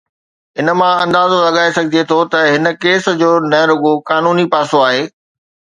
ان مان اندازو لڳائي سگهجي ٿو ته هن ڪيس جو نه رڳو قانوني پاسو آهي.